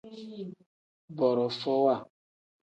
Borofowa.